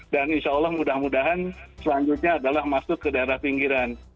dan insya allah mudah mudahan selanjutnya adalah masuk ke daerah pinggiran